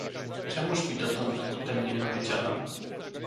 "Czemuż mi dotąd o tem nie powiedziano?"